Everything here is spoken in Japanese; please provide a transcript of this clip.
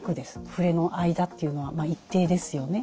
振れの間というのは一定ですよね。